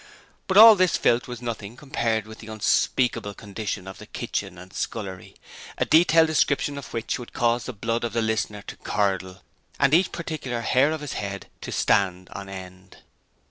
But all this filth was nothing compared with the unspeakable condition of the kitchen and scullery, a detailed description of which would cause the blood of the reader to curdle, and each particular hair of his head to stand on end.